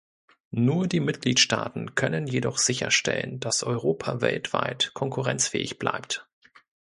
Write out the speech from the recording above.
Nur die Mitgliedstaaten können jedoch sicherstellen, dass Europa weltweit konkurrenzfähig bleibt.